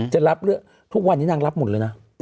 จะรับเรื่องทุกวันนี้นางรับหมดเลยนะ